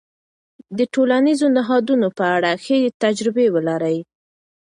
د ټولنيزو نهادونو په اړه ښې تجربې ولرئ.